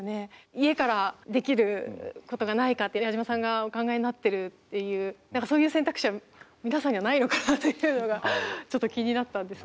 家からできることがないかって矢島さんがお考えになってるっていう何かそういう選択肢は皆さんにはないのかなっていうのがちょっと気になったんですが。